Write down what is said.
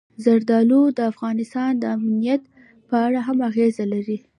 زردالو د افغانستان د امنیت په اړه هم اغېز لري.